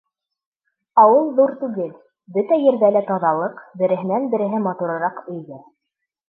Ауыл ҙур түгел, бөтә ерҙә лә таҙалыҡ, береһенән-береһе матурыраҡ өйҙәр.